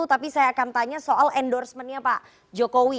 tapi saya akan tanya soal endorsement nya pak jokowi